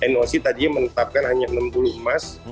noc tadi menetapkan hanya enam puluh emas